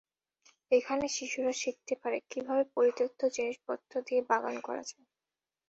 এখানে শিশুরা শিখতে পারে, কীভাবে পরিত্যক্ত জিনিসপত্র দিয়ে বাগান করা যায়।